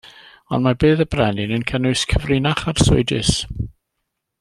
Ond mae bedd y brenin yn cynnwys cyfrinach arswydus.